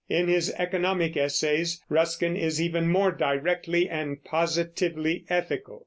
In his economic essays Ruskin is even more directly and positively ethical.